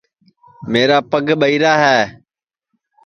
میرا پگ ٻہیرا ہے